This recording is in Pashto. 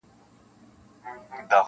• له اورنګه تر فرنګه چي راغلي -